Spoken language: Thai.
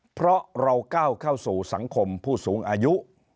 เพราะเราก้าวเข้าสู่สังคมผู้สูงอายุ